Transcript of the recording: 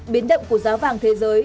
biến động của giá vàng thế giới